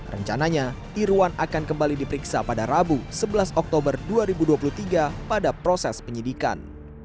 rencananya irwan akan kembali diperiksa pada rabu sebelas oktober dua ribu dua puluh tiga pada proses penyidikan